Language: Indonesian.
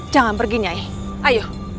jangan pergi nyaih ayo